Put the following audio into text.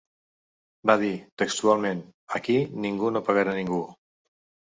Va dir, textualment: Aquí ningú no pegarà ningú.